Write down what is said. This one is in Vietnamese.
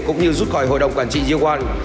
cũng như rút khỏi hội đồng quản trị diêu quang